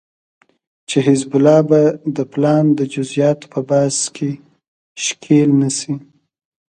چې حزب الله به د پلان د جزياتو په بحث کې ښکېل نشي